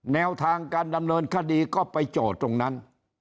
แนวทางการดำเนินคดีก็ไปจอดตรงนั้น